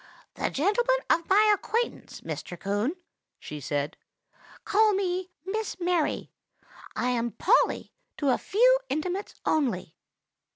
"The gentlemen of my acquaintance, Mr. Coon," she said, "call me Miss Mary. I am 'Polly' to a few intimates only."